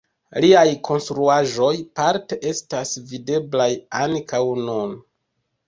Liaj konstruaĵoj parte estas videblaj ankaŭ nun.